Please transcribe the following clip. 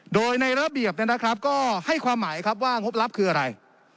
โดยในระเบียบเนี่ยนะครับก็ให้ความหมายครับว่างบรับคืออะไร